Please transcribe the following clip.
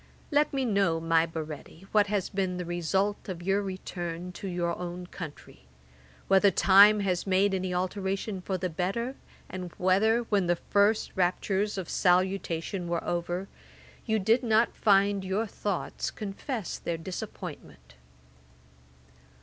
Let me know, my Baretti, what has been the result of your return to your own country: whether time has made any alteration for the better, and whether, when the first raptures of salutation were over, you did not find your thoughts confessed their disappointment.